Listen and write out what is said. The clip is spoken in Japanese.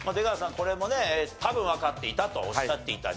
これもね多分わかっていたとおっしゃっていたＤを見てみましょう。